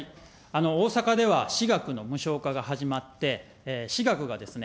大阪では私学の無償化が始まって、私学がですね、